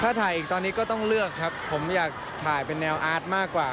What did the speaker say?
ถ้าถ่ายอีกตอนนี้ก็ต้องเลือกครับผมอยากถ่ายเป็นแนวอาร์ตมากกว่า